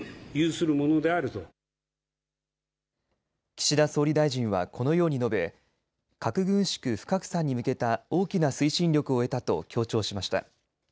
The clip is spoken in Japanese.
岸田総理大臣は、このように述べ核軍縮・不拡散に向けた大きな推進力を得たと強調しました。